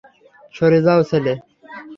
সরে যাও, ছেলে।